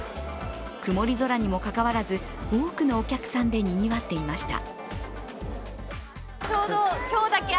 曇り空にもかかわらず、多くのお客さんでにぎわっていました。